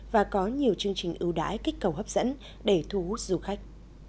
và có nhiều chương trình ưu đãi kích cầu hấp dẫn để thu hút du khách